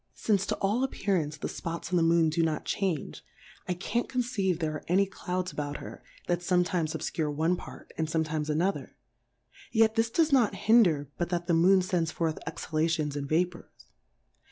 Since to all appearance the Spots in the Moon do not change, I can't conceive there are any Clouds about her, that fometimes obfcure one part, and fometimes another ; yet this does not hinder, but that the Moon fends forth Exhalations, and Vapours.